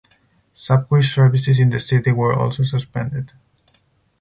Subway services in the city were also suspended.